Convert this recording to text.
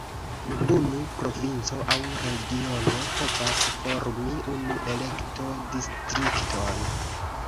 Unu provinco aŭ regiono povas formi unu elekto-distrikton.